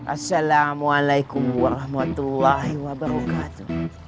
assalamualaikum warahmatullahi wabarakatuh